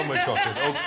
ＯＫ